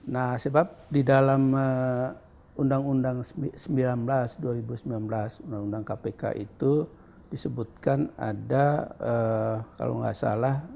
nah sebab di dalam undang undang sembilan belas dua ribu sembilan belas undang undang kpk itu disebutkan ada kalau nggak salah